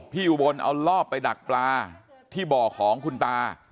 อุบลเอารอบไปดักปลาที่บ่อของคุณตา